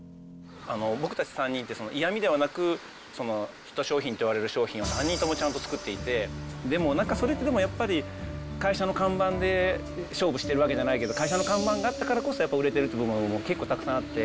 僕たち３人って、嫌味ではなく、ヒット商品っていわれる商品を３人ともちゃんと作っていて、でも、なんかそれってでもやっぱり会社の看板で勝負してるわけじゃないけど、会社の看板があったからこそ売れてるという部分も結構たくさんあって。